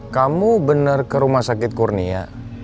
kamu benar ke rumah sakit kurnia